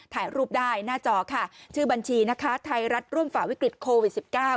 ถ่ายรูปได้หน้าจอค่ะชื่อบัญชีนะคะไทยรัฐร่วมฝ่าวิกฤตโควิด๑๙